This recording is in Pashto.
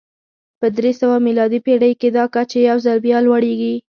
په درې سوه میلادي پېړۍ کې دا کچه یو ځل بیا لوړېږي